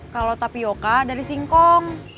kalau tapioca dari singkong